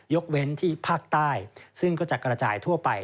เว้นที่ภาคใต้ซึ่งก็จะกระจายทั่วไป